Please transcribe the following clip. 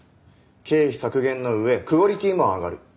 経費削減の上クオリティーも上がる。